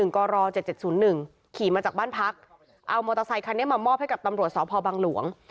กร๗๗๐๑ขี่มาจากบ้านพักเอามอเตอร์ไซคันนี้มามอบให้กับตำรวจสพบังหลวง